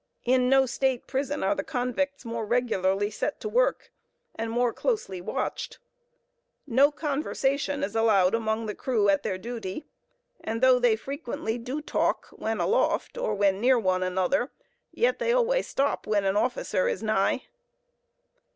In no state prison are the convicts more regularly set to work, and more closely watched. No conversation is allowed among the crew at their duty, and though they frequently do talk when aloft, or when near one another, yet they always stop when an officer is nigh.